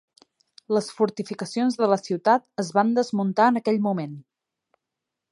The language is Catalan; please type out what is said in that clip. Les fortificacions de la ciutat es van desmuntar en aquell moment.